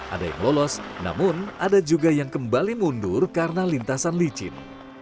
ada yang lolos namun ada juga yang kembali mundur karena lintasan licin